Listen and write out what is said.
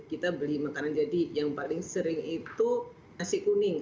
kita beli makanan jadi yang paling sering itu nasi kuning